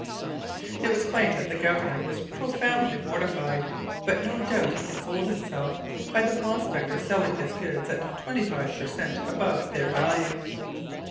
It was plain that the Governor was profoundly mortified, but no doubt he consoled himself by the prospect of selling his goods at twenty five per cent. above their value.